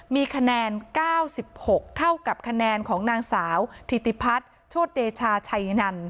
มีคะแนน๙๖เท่ากับคะแนนของนางสาวถิติพัฒน์โชธเดชาชัยนัน